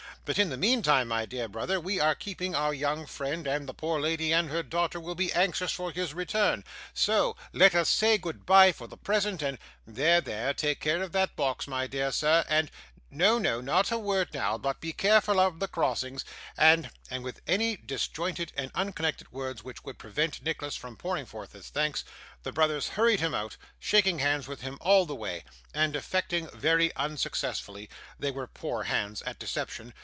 'But in the meantime, my dear brother, we are keeping our young friend; and the poor lady and her daughter will be anxious for his return. So let us say goodbye for the present, and there, there take care of that box, my dear sir and no, no, not a word now; but be careful of the crossings and ' And with any disjointed and unconnected words which would prevent Nicholas from pouring forth his thanks, the brothers hurried him out: shaking hands with him all the way, and affecting very unsuccessfully they were poor hands at deception!